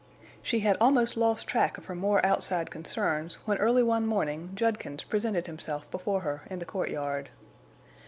She had almost lost track of her more outside concerns when early one morning Judkins presented himself before her in the courtyard.